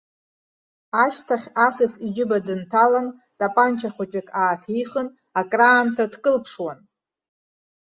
Ашьҭахь асас иџьыба дынҭалан тапанча хәыҷык ааҭихын, акраамҭа дкылԥшуан.